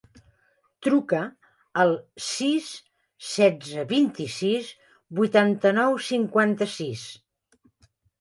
Truca al sis, setze, vint-i-sis, vuitanta-nou, cinquanta-sis.